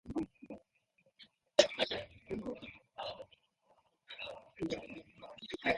However, they differ in the sorts of mental demands each makes.